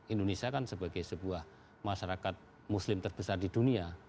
indonesia kan sebagai sebuah masyarakat muslim terbesar di dunia